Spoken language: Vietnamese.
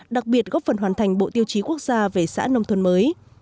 đặc biệt góp phần hoàn thành bộ tiêu chí quốc gia về xã nông thôn mới